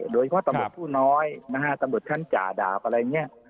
โดยเฉพาะตำรวจผู้น้อยนะฮะตำรวจชั้นจ่าดาบอะไรอย่างนี้